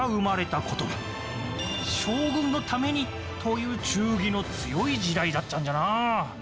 「将軍のために」という忠義の強い時代だったんじゃな。